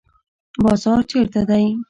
بازار چیرته دی؟